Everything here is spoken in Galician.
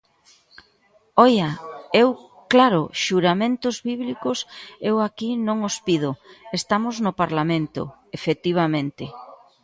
¡Oia!, eu, claro, xuramentos bíblicos eu aquí non os pido, estamos no Parlamento, efectivamente.